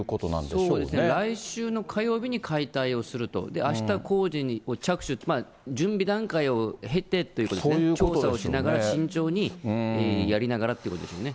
そうですね、来週の火曜日に解体をすると。あした工事に着手と、準備段階を経てということですね、調査をしながら慎重にやりながらということでしょうね。